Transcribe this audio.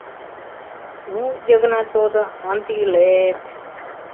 — Ну, Йыгнат родо, ынде иле-эт!